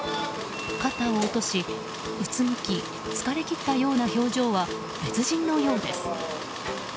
肩を落とし、うつむき疲れ切ったような表情は別人のようです。